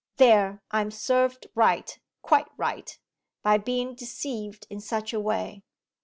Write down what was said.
There, I am served right, quite right by being deceived in such a way.